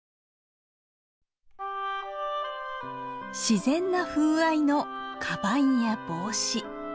自然な風合いのカバンや帽子。